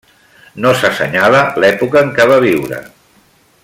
No s'assenyala l'època en què va viure.